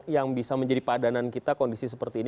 yang bisa menjadi padanan kita kondisi seperti ini